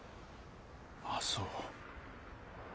ああそう。